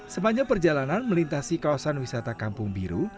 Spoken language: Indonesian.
sepanjang perjalanan melintasi kawasan wisata kampung biru